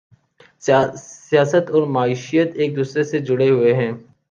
سیاست اور معیشت ایک دوسرے سے جڑے ہوئے ہیں۔